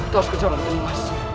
terus kejar untuk dimas